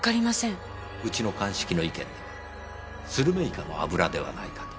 うちの鑑識の意見ではするめいかの脂ではないかと。